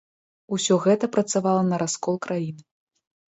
Усё гэта працавала на раскол краіны.